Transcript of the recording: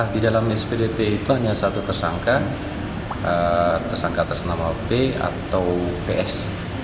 di dalam spdp itu hanya satu tersangka tersangka atas nama p atau ps